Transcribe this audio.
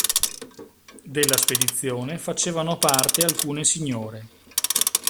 Della spedizione facevano parte alcune signore.